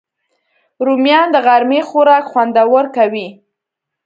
رومیان د غرمې خوراک خوندور کوي